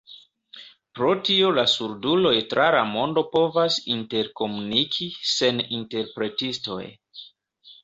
Pro tio la surduloj tra la mondo povas interkomuniki sen interpretistoj!